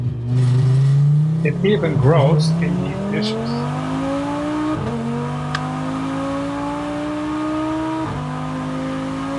It even grows in these dishes.